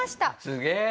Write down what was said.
すげえ！